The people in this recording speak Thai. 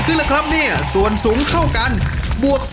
ครับครับ